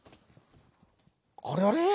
「あれあれ？